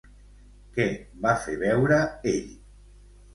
Què va fer veure ell?